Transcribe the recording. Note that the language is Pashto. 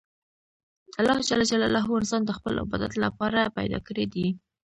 الله جل جلاله انسان د خپل عبادت له پاره پیدا کړى دئ.